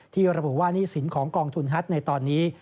ระบุว่าหนี้สินของกองทุนฮัตในตอนนี้